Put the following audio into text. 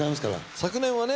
昨年はね